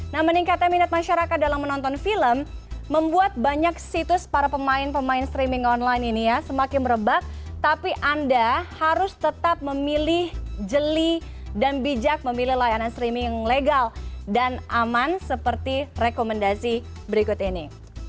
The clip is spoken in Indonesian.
nah meningkatnya minat masyarakat dalam menonton film membuat banyak situs para pemain pemain streaming online ini ya semakin merebak tapi anda harus tetap memilih jeli dan bijak memilih layanan streaming legal dan aman seperti rekomendasi berikut ini